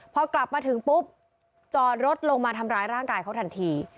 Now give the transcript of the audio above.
พอกลับมาถึงปุ๊บจอดรถลงมาทำร้ายร่างกายเขาทันที